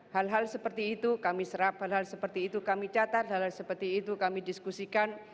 hal hal seperti itu kami serap hal hal seperti itu kami catat hal hal seperti itu kami diskusikan